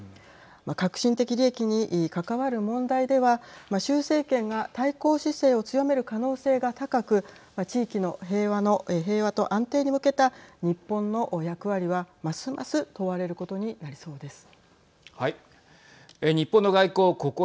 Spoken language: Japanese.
核心的利益に関わる問題では習政権が対抗姿勢を強める可能性が高く地域の平和と安定に向けた日本の役割はますます問われることになりそうです。